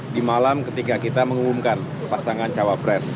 di malam ketika kita mengumumkan pasangan cawa pres